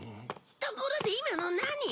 ところで今の何？